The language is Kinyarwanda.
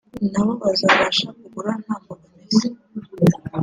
nabo bazabasha kugura nta mbogamizi